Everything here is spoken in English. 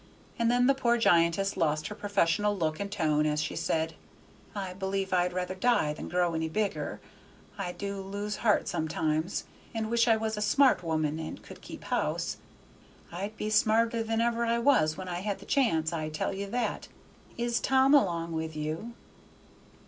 And then the poor giantess lost her professional look and tone as she said, "I believe I'd rather die than grow any bigger. I do lose heart sometimes, and wish I was a smart woman and could keep house. I'd be smarter than ever I was when I had the chance; I tell you that! Is Tom along with you?"